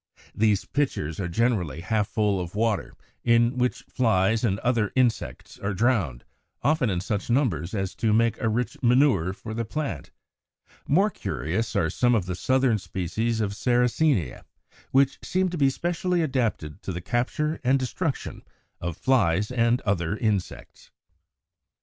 These pitchers are generally half full of water, in which flies and other insects are drowned, often in such numbers as to make a rich manure for the plant. More curious are some of the southern species of Sarracenia, which seem to be specially adapted to the capture and destruction of flies and other insects.